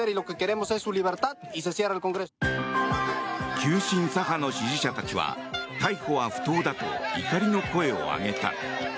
急進左派の支持者たちは逮捕は不当だと怒りの声を上げた。